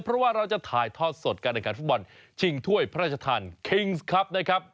เพราะว่าเราจะถ่ายทอดสดการแข่งขันฟุตบอลชิงถ้วยพระราชทานคิงส์ครับนะครับ